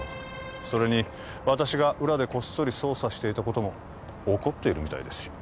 それに私が裏でこっそり捜査していたことも怒っているみたいですし